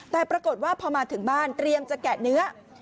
แต่ปรากฏว่าพอมาถึงบ้านเตรียมจะแกะเนื้อ